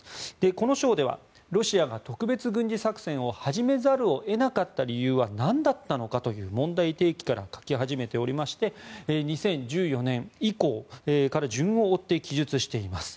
この章ではロシアが特別軍事作戦を始めざるを得なかった理由は何だったのかという問題提起から書き始めておりまして２０１４年以降から順を追って記述しています。